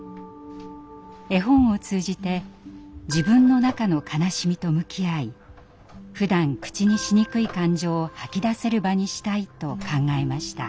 絵本を通じて自分の中の悲しみと向き合いふだん口にしにくい感情を吐き出せる場にしたいと考えました。